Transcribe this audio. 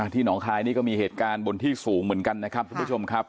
หนองคลายนี่ก็มีเหตุการณ์บนที่สูงเหมือนกันนะครับทุกผู้ชมครับ